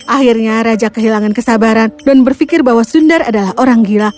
akhirnya raja kehilangan kesabaran dan berpikir bahwa sundar adalah orang gila